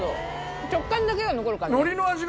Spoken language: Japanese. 食感だけが残る感じ。